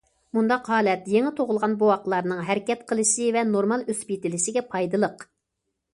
مۇنداق ھالەت يېڭى تۇغۇلغان بوۋاقلارنىڭ ھەرىكەت قىلىشى ۋە نورمال ئۆسۈپ يېتىلىشىگە پايدىلىق.